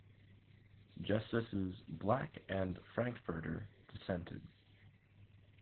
Justices Black and Frankfurter dissented.